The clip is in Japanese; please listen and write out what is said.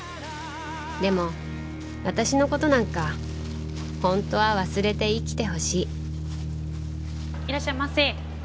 でも私の事なんか本当は忘れて生きてほしいいらっしゃいませ。